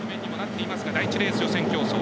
第１レース予選競走。